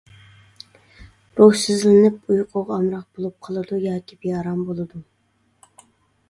روھسىزلىنىپ، ئۇيقۇغا ئامراق بولۇپ قالىدۇ ياكى بىئارام بولىدۇ.